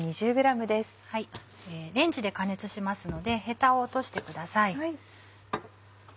レンジで加熱しますのでヘタを落としてください。